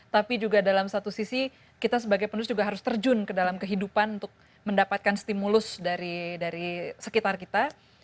tapi juga dalam satu sisi kita sebagai penulis juga harus terjun ke dalam kehidupan untuk mendapatkan stimulus dari sekitar kita